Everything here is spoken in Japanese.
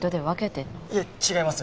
いえ違います！